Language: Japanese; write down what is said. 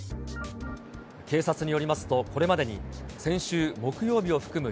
警察によりますと、これまでに先週木曜日を含む